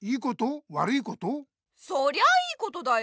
そりゃ良いことだよ。